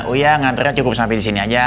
uya nganternya cukup sampai di sini aja